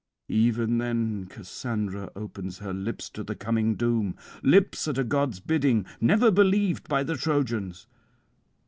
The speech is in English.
Even then Cassandra opens her lips to the coming doom, lips at a god's bidding never believed by the Trojans.